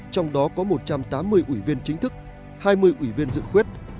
trong đó có một trăm tám mươi ủy viên chính thức hai mươi ủy viên dự khuyết